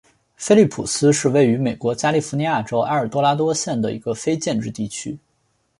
菲利普斯是位于美国加利福尼亚州埃尔多拉多县的一个非建制地区。